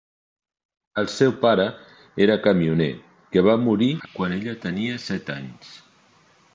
El seu pare era camioner, que va morir quan ella tenia set anys.